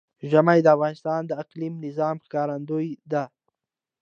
ژمی د افغانستان د اقلیمي نظام ښکارندوی ده.